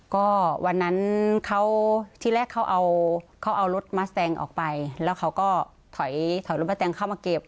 ก็วันนั้นที่แรกเขาเอารถมาสแตงออกไปแล้วเขาก็ถอยรถมาสแตงเข้ามาเก็บ